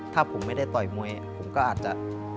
ถ้าผมไม่ได้ต่อยมวยผมก็อาจจะ